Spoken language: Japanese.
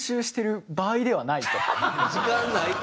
時間ないと。